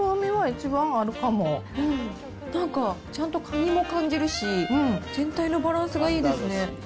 なんか、ちゃんとカニも感じるし、全体のバランスがいいですね。